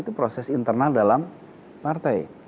itu proses internal dalam partai